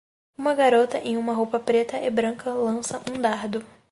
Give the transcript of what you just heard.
Uma garota em uma roupa preta e branca lança um dardo